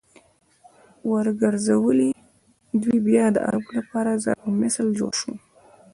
ورګرځولې!! دوی بيا د عربو لپاره ضرب المثل جوړ شو